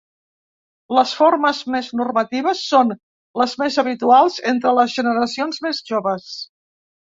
Les formes més normatives són les més habituals entre les generacions més joves.